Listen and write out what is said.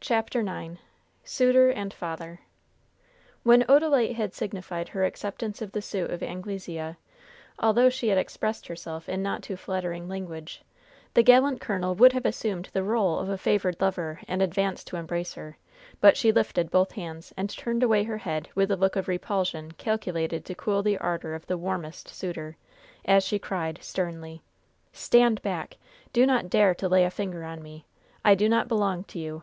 CHAPTER IX SUITOR AND FATHER When Odalite had signified her acceptance of the suit of Anglesea, although she had expressed herself in not too flattering language, the gallant colonel would have assumed the rôle of a favored lover and advanced to embrace her; but she lifted both hands and turned away her head with a look of repulsion calculated to cool the ardor of the warmest suitor, as she cried, sternly: "Stand back! Do not dare to lay a finger on me! I do not belong to you!